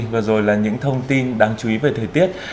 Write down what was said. vừa rồi là những thông tin đáng chú ý về thời tiết